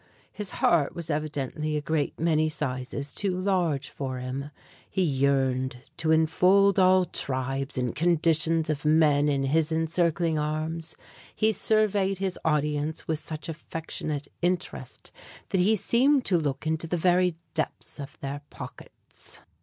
His heart was evidently a great many sizes too large for him. He yearned to enfold all tribes and conditions of men in his encircling arms. He surveyed his audience with such affectionate interest that he seemed to look into the very depths of their pockets.